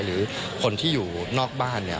หรือคนที่อยู่นอกบ้าน